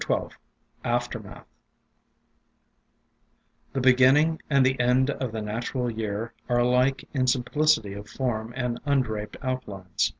XII AFTERMATH THE beginning and the end of the natural year are alike in simplicity of form and un draped outlines.